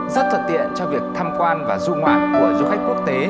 rất thuận tiện cho việc tham quan và du ngoạn của du khách quốc tế